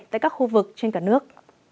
tại các khu vực trên cả nước